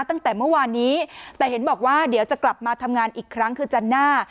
ตั้งแต่เมื่อวานนี้แต่เห็นบอกว่าเดี๋ยวจะกลับมาทำงานอีกครั้งคือจันทร์หน้า